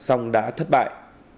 ông đã thất bại